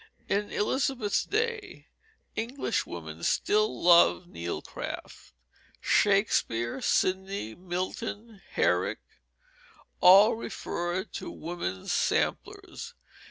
In Elizabeth's day Englishwomen still loved needlecraft. Shakespeare, Sidney, Milton, Herrick, all refer to women's samplers.